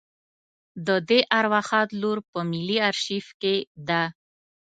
د دې ارواښاد لور په ملي آرشیف کې ده.